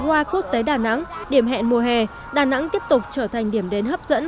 hoa quốc tế đà nẵng điểm hẹn mùa hè đà nẵng tiếp tục trở thành điểm đến hấp dẫn